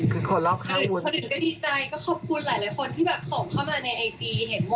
คือคนรอบข้างมุม